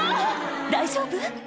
「大丈夫？」